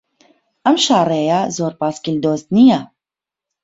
ئەم شاڕێیە زۆر پایسکل دۆست نییە.